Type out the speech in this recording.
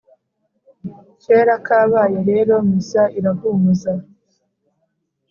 kera kabaye rero misa irahumuza,